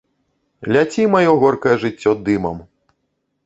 Ляці, маё горкае жыццё, дымам!